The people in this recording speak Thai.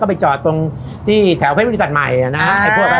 ก็ไปจอดตรงที่แถวเพศวิทยุตัศน์ใหม่อะนะ